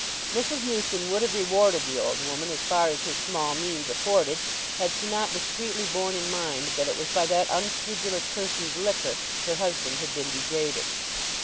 Mrs. Newson would have rewarded the old woman as far as her small means afforded had she not discreetly borne in mind that it was by that unscrupulous person's liquor her husband had been degraded.